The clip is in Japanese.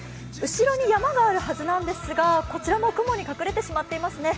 後ろに山があるはずなんですが、こちらも雲に隠れてしまっていますね。